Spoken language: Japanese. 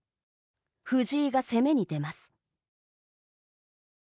藤井が攻めに出ます。